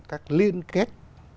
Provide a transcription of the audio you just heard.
các liên kết